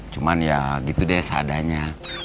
cuman ya gitu deh seadanya